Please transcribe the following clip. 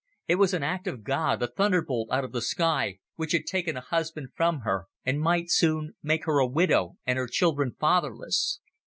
It was an act of God, a thunderbolt out of the sky, which had taken a husband from her, and might soon make her a widow and her children fatherless.